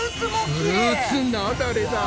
フルーツなだれだ！